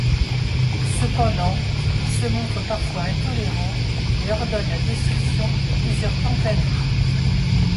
Cependant, il se montre parfois intolérant et ordonne la destruction de plusieurs temples hindous.